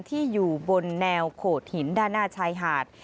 ที่อยู่บนแนวโขดหินด้านหน้าชายหาด